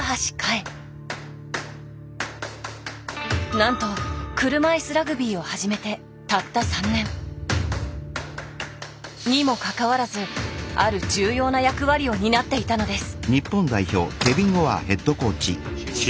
なんと車いすラグビーを始めてたった３年。にもかかわらずある重要な役割を担っていたのです。